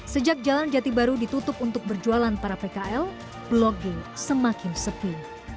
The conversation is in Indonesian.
sejak jalan jati baru ditutup untuk berjualan para pkl blok g semakin sepi